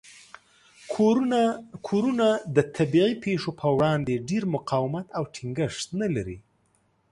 کورونه د طبیعي پیښو په وړاندې ډیر مقاومت او ټینګښت نه لري.